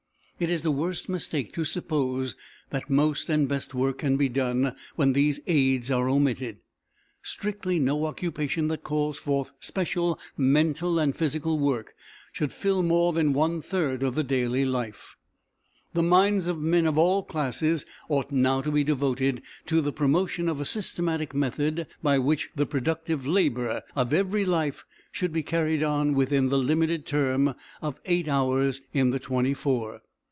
It is the worst mistake to suppose that most and best work can be done when these aids are omitted. Strictly, no occupation that calls forth special mental and physical work should fill more than one third of the daily life. The minds of men of all classes ought now to be devoted to the promotion of a systematic method by which the productive labour of every life should be carried on within the limited term of eight hours in the twenty four.